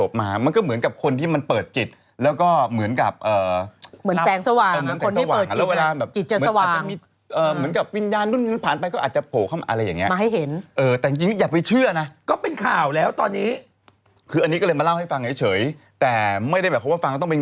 ผมอยู่นอนตักเสร็จปุ๊บอยู่ดิมก็มีรถหวอวิ่งผ่านหน้าบ้านไป